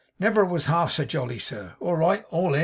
'Never was half so jolly, sir. All right. Haul in!